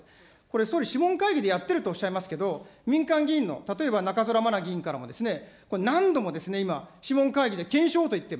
総理、諮問会議でやってるとおっしゃってますけれども、民間議員の、例えば議員からも、諮問会議で検証と言ってる。